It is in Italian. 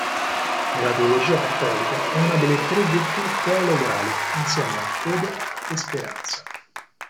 Nella teologia cattolica è una delle tre virtù teologali, insieme a fede e speranza.